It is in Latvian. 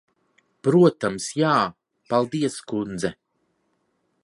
Protams, jā. Paldies, kundze.